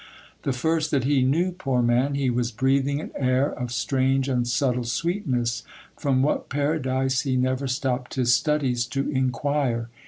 The first that he knew, poor man, he was breathing an air of strange and subtile sweetness,—from what Paradise he never stopped his studies to inquire.